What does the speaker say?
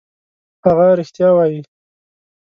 هغه رښتیا وايي.